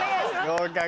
合格。